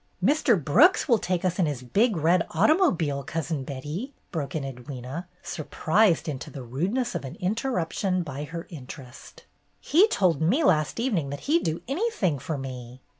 "Mr. Brooks will take us in his big red automobile. Cousin Betty," broke in Edwyna, surprised into the rudeness of an interruption by her interest. "He told me last evening that he M do anything for me."